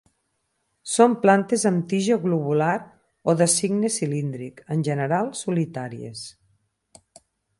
Són plantes amb tija globular o de signe cilíndric, en general solitàries.